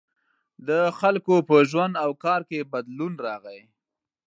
• د خلکو په ژوند او کار کې بدلون راغی.